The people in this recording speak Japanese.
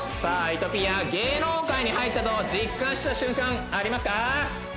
いとピーヤ芸能界に入ったのを実感した瞬間ありますか？